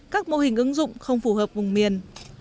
các mô hình ứng dụng không phù hợp vùng miền